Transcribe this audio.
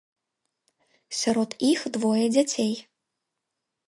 Сярод іх двое дзяцей.